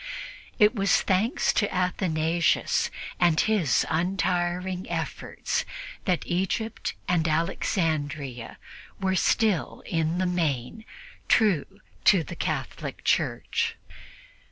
It was thanks to Athanasius and his untiring efforts that Egypt and Alexandria were still, in the main, true to the Catholic Church.